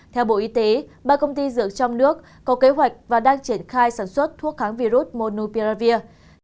theo bộ y tế ba công ty dược trong nước có kế hoạch và đang triển khai sản xuất thuốc kháng virus monupiravir